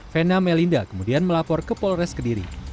vena melinda kemudian melapor ke polres kediri